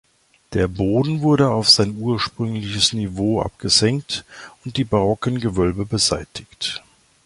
Der Boden wurde auf sein ursprüngliches Niveau abgesenkt und die barocken Gewölbe beseitigt.